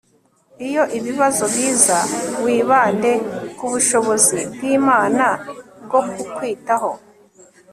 iyo ibibazo biza, wibande ku bushobozi bw'imana bwo kukwitaho